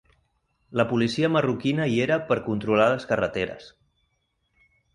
La policia marroquina hi era per controlar les carreteres.